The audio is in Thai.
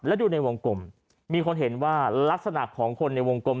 และดูในวงกลมมีคนเห็นว่าลักษณะของคนในวงกลม